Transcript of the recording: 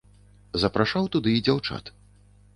Запрашаў туды і дзяўчат.